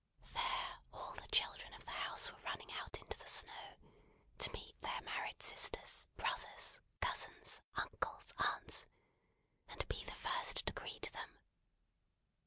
There all the children of the house were running out into the snow to meet their married sisters, brothers, cousins, uncles, aunts, and be the first to greet them.